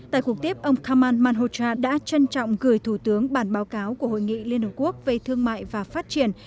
tại cuộc tiếp ông kamal manhotra đã trân trọng gửi thủ tướng bản báo cáo của hội nghị liên hợp quốc về thương mại và phát triển